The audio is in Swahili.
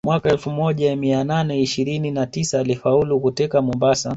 Mwaka elfu moja mia nane ishirini na tisa alifaulu kuteka Mombasa